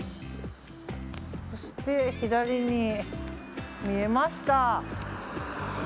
そして、左に見えました。